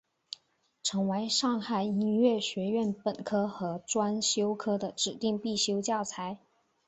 成为上海音乐学院本科和专修科的指定必修教材。